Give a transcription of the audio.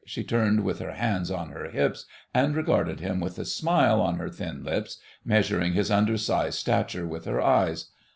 She turned with her hands on her hips and regarded him with a smile on her thin lips, measuring his undersized stature with her eyes.